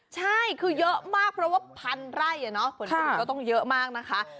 ใช่คือเยอะมากเพราะว่าพันไร่ผลผลิตก็ต้องเยอะมากนะคะ